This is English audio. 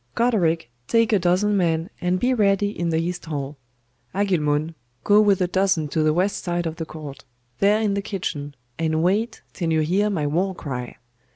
Goderic, take a dozen men, and be ready in the east hall. Agilmund, go with a dozen to the west side of the court there in the kitchen; and wait till you hear my war cry.